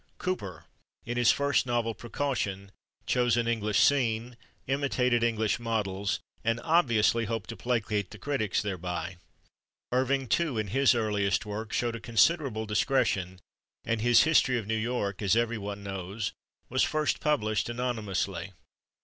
Cooper, in his first novel, "Precaution," chose an English scene, imitated English models, and obviously hoped to placate the critics thereby. Irving, too, in his earliest work, showed a considerable discretion, and his "History of New York," as everyone knows, was first published anonymously.